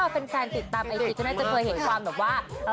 แฟนติดตามไอจีก็น่าจะเคยเห็นความแบบว่า